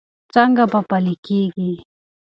څنګه به پلي کېږي؟